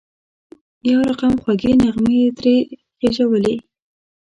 یو رقم خوږې نغمې یې ترې خېژولې.